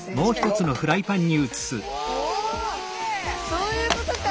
そういうことか！